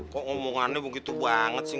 kok omongannya begitu banget sih